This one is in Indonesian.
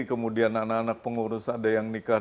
kemudian anak anak pengurus ada yang nikah